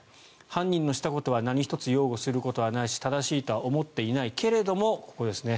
犯人のしたことは何一つ擁護することはないし正しいとは思っていないけれどもここですね